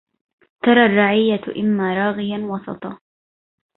ترى الرعية إما راغيا وسطا